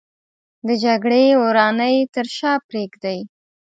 د جګړې ورانۍ تر شا پرېږدي